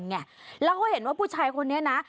แล้วเขาเห็นว่าผู้ชายคนนี้นะ